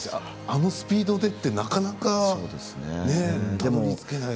あのスピードでなかなかね。